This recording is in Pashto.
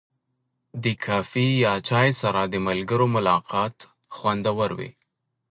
د کافي یا چای سره د ملګرو ملاقات خوندور وي.